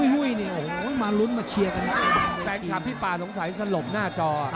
หุ้ยเนี่ยโอ้โหมาลุ้นมาเชียร์กันแฟนคลับพี่ป่าสงสัยสลบหน้าจอ